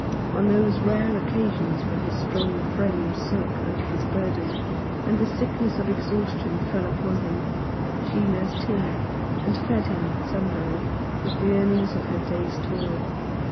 On those rare occasions when his strong frame sunk under his burden, and the sickness of exhaustion fell upon him, she nursed him, and fed him, somehow, with the earnings of her day's toil.